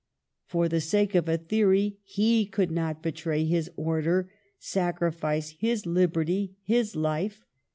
For the sake of a theory he could not betray his order, sacrifice his liberty, his life.